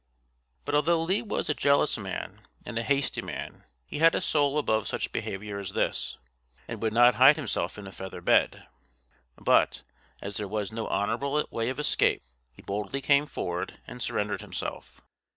But although Lee was a jealous man and a hasty man, he had a soul above such behavior as this, and would not hide himself in a feather bed; but, as there was no honorable way of escape, he boldly came forward and surrendered himself.